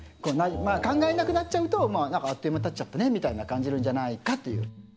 考えなくなっちゃうとまああっという間にたっちゃったねみたいに感じるんじゃないかという。